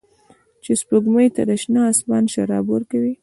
چې سپوږمۍ ته د شنه اسمان شراب ورکوي